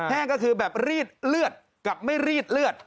แห้งก็คือแบบรีดเลือดกับไม่รีดเลือด